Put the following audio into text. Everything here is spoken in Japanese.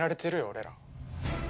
俺ら。